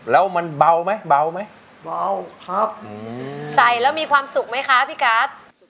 แล้วมันเบาไหมเบาครับใส่แล้วมีความสุขไหมคะพี่กัส